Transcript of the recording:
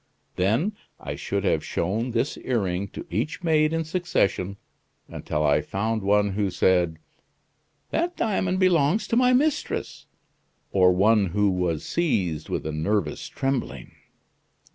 Then, I should have shown this earring to each maid in succession until I found one who said: 'That diamond belongs to my mistress,' or one who was seized with a nervous trembling."